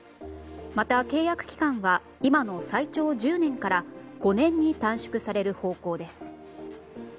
また、契約期間は今の最長１０年から５年に短縮される方向です。